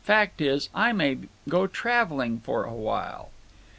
Fact is, I may go traveling for a while."